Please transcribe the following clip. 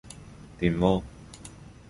電鍋